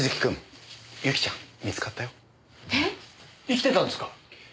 生きてたんですか？